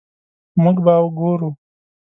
مونږ به ګورو